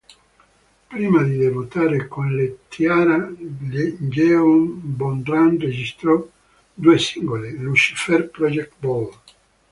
Prima di debuttare con le T-ara, Jeon Bo-ram registrò due singoli, "Lucifer Project Vol.